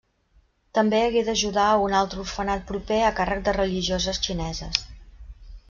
També hagué d'ajudar a un altre orfenat proper a càrrec de religioses xineses.